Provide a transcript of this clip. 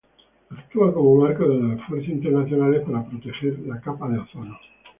Actúa como marco de los esfuerzos internacionales para proteger la capa de ozono.